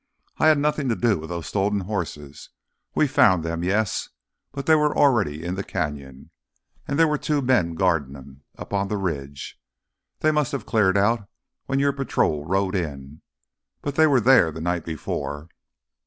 "I had nothing to do with those stolen horses. We found them, yes, but they were already in the canyon. And there were two men guardin' them—up on the ridge. They must have cleared out when your patrol rode in, but they were there the night before."